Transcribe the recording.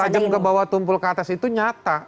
tajam ke bawah tumpul ke atas itu nyata